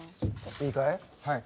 いいかい？